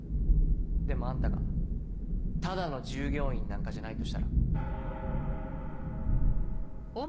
でもあんたがただの従業員なんかじゃないとしたら？